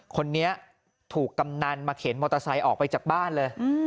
คนนี้ถูกกำนันมาเข็นมอเตอร์ไซค์ออกไปจากบ้านเลย